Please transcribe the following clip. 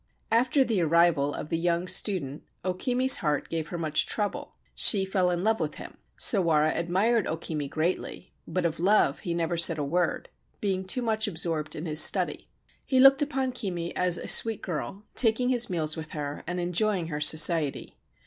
After the arrival of the young student O Kimi's heart gave her much trouble. She fell in love with him. Sawara admired O Kimi greatly ; but of love he never said a word, being too much absorbed in his study. He looked upon Kimi as a sweet girl, taking his meals with her and enjoying her society.